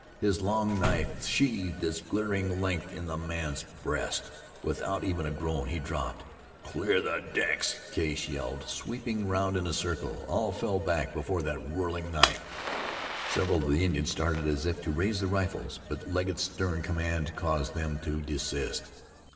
His long knife sheathed its glittering length in the man's breast. Without even a groan he dropped. "Clear the decks!" Case yelled, sweeping round in a circle. All fell back before that whirling knife. Several of the Indians started as if to raise their rifles; but Legget's stern command caused them to desist.